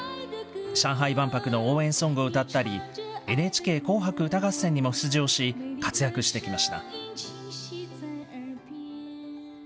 上海万博の応援ソングを歌ったり、ＮＨＫ紅白歌合戦にも出場し、活躍してきました。